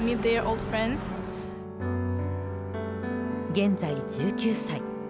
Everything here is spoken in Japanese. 現在、１９歳。